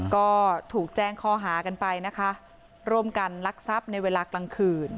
ก็ถูกแจ้งข้อหากันไปนะคะร่วมกันลักทรัพย์ในเวลากลางคืน